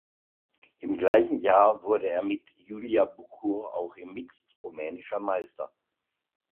Im gleichen Jahr wurde er mit Iulia Bucur auch im Mixed rumänischer Meister.